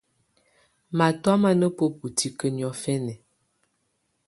Matɔ̀́á mà nà bǝbu tikǝ́ niɔ̀fɛna.